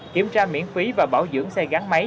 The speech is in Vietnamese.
kiểm tra miễn phí và bảo dưỡng xe gắn máy